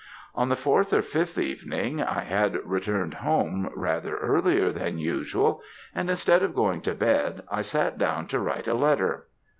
On the fourth or fifth evening, I had returned home rather earlier than usual, and instead of going to bed, I sat down to write a letter.